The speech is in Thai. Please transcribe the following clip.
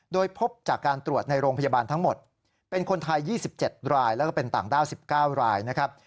โดยพบจากการตรวจในโรงพยาบาลทั้งหมดเป็นคนไทย๒๗รายแล้วก็เป็นต่างด้าว๑๙รายนะครับ